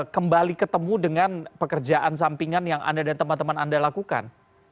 kembali ketemu dengan pekerjaan sampingan yang anda dan teman teman anda lakukan